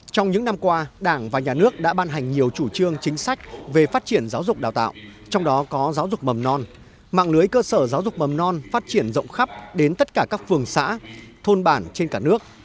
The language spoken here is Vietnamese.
trong những năm qua đảng và nhà nước đã ban hành nhiều chủ trương chính sách về phát triển giáo dục đào tạo trong đó có giáo dục mầm non mạng lưới cơ sở giáo dục mầm non phát triển rộng khắp đến tất cả các phường xã thôn bản trên cả nước